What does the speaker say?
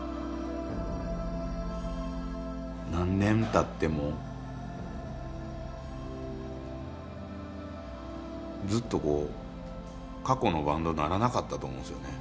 何年たってもずっとこう過去のバンドにならなかったと思うんですよね